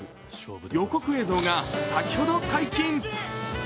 予告影像が先ほど解禁。